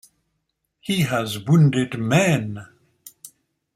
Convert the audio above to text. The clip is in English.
He has wounded men.